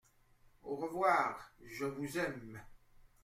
Au revoir !… je vous aime !